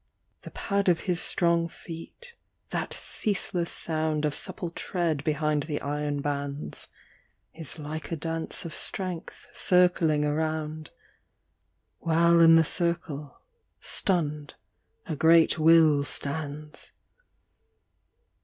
The pad of his strong feet, that ceaseless sound Of supple tread behind the iron bands, Is like a dance of strength circling around, While in the circle, stunned, a great will stands.